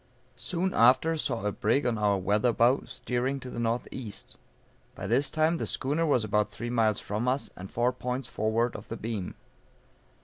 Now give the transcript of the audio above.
Soon after saw a brig on our weather bow steering to the N.E. By this time the schooner was about three miles from us and four points forward of the beam.